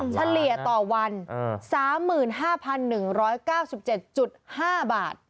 เฉลี่ยต่อวัน๓๕๑๙๗๕บาท